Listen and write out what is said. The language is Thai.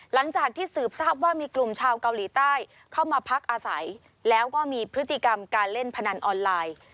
หลังจากที่สืบทราบว่ามีกลุ่มชาวเกาหลีใต้เข้ามาพักอาศัยแล้วก็มีพฤติกรรมการเล่นพนันออนไลน์